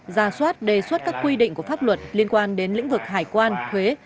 ra soát đề xuất các quy định của pháp luật liên quan đến lĩnh vực hải quan thuế